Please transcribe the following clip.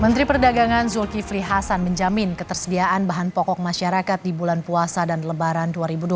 menteri perdagangan zulkifli hasan menjamin ketersediaan bahan pokok masyarakat di bulan puasa dan lebaran dua ribu dua puluh